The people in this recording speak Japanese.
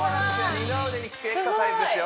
二の腕にきくエクササイズですよ